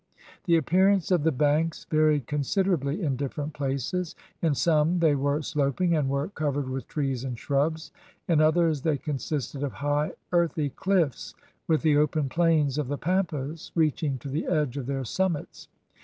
The appearance of the banks varied considerably in different places; in some they were sloping and were covered with trees and shrubs, in others they consisted of high earthy cliffs with the open plains of the Pampas reaching to the edge of their summits.